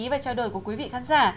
và trao đổi của quý vị khán giả